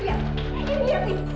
ini lihat nih